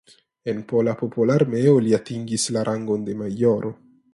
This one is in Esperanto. En Pola Popola Armeo li atingis la rangon de majoro.